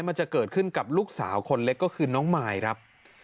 มันจะเกิดขึ้นกับลูกสาวคนเล็กก็คือน้องมายครับ